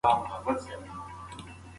چای د اوسپنې جذب کموي.